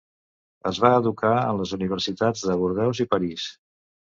Es va educar en les universitats de Bordeus i París.